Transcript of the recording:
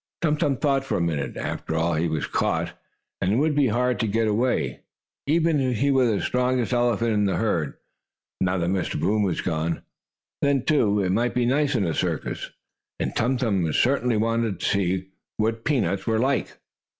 Tum Tum thought for a minute. After all he was caught, and it would be hard to get away, even if he were the strongest elephant in the herd, now that Mr. Boom was gone. Then, too, it might be nice in a circus, and Tum Tum certainly wanted to see what peanuts were like.